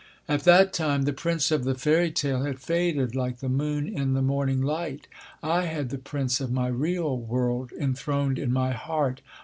At that time the Prince of the fairy tale had faded, like the moon in the morning light. I had the Prince of my real world enthroned in my heart.